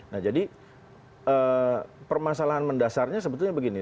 nah jadi permasalahan mendasarnya sebetulnya begini